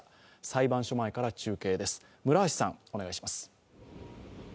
裁判所前から中継です。